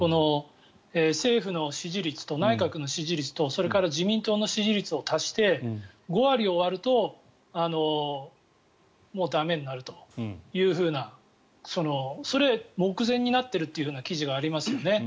政府の支持率と内閣の支持率と自民党の支持率を足して５割を割るともう駄目になるというふうなその目前になっているという記事がありますよね。